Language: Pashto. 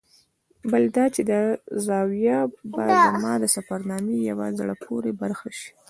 بل دا چې دا زاویه به زما د سفرنامې یوه زړه پورې برخه شي.